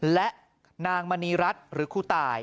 และนางมณีรัฐหรือครูตาย